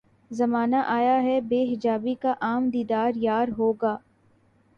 زمانہ آیا ہے بے حجابی کا عام دیدار یار ہوگا